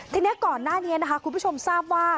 ทีนี้ก่อนหน้านี้นะคะคุณผู้ชมทราบว่า